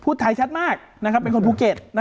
พูดไทยชัดมากนะครับแต่เป็นคนภูเกษนะครับ